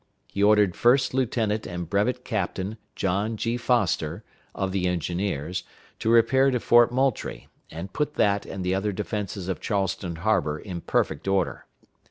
He ordered First Lieutenant and Brevet Captain John G. Foster, of the engineers, to repair to Fort Moultrie, and put that and the other defenses of Charleston harbor in perfect order.